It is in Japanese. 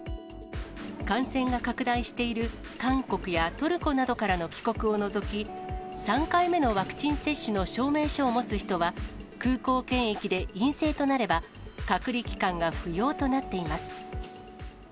感染が拡大している韓国やトルコなどからの帰国を除き、３回目のワクチン接種の証明書を持つ人は、空港検疫で陰性となれば、隔離期間が不要となっています。